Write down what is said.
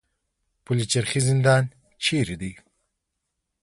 پل چرخي زندان چیرته دی؟